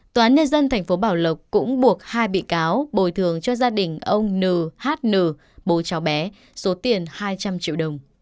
tòa án nhân dân tp bảo lộc cũng buộc hai bị cáo bồi thường cho gia đình ông nhn bố cháu bé số tiền hai trăm linh triệu đồng